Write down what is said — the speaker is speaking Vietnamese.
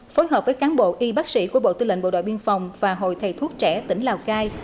phối hợp với cán bộ y bác sĩ của bộ tư lệnh bộ đội biên phòng và hội thầy thuốc trẻ tỉnh lào cai